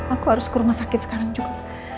aku harus ke rumah sakit sekarang juga